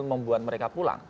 membuat mereka pulang